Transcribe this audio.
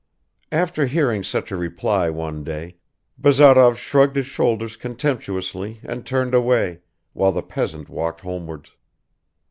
After hearing such a reply one day, Bazarov shrugged his shoulders contemptuously and turned away, while the peasant walked homewards.